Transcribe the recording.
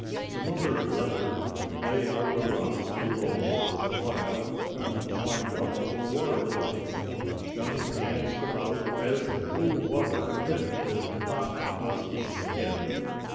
The mother leopard lay on the rocks below while Johnny climbed up to the waterfall. Johnny danced about as the cool water hit his hot dusty skin.